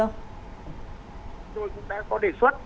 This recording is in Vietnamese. chúng tôi cũng đã có đề xuất